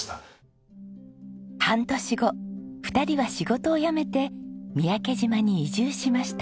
半年後２人は仕事を辞めて三宅島に移住しました。